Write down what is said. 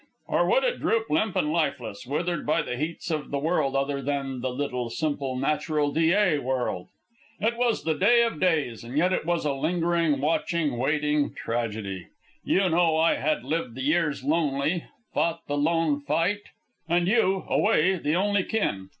Or would it droop limp and lifeless, withered by the heats of the world other than the little simple, natural Dyea world? "It was the day of days, and yet it was a lingering, watching, waiting tragedy. You know I had lived the years lonely, fought the lone fight, and you, away, the only kin.